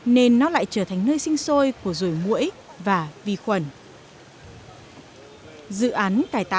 nên nó lại trở thành nơi sinh sôi của hồ định công